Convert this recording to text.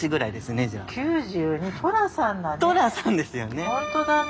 寅さんですよね。